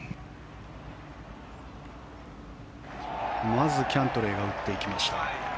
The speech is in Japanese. まずキャントレーが打っていきました。